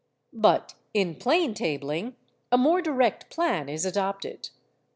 But in 'plane tabling' a more direct plan is adopted.